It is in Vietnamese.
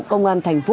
công an thành phố